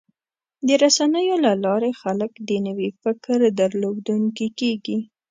د رسنیو له لارې خلک د نوي فکر درلودونکي کېږي.